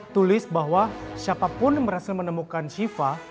tulis bahwa siapapun berhasil menemukan shiva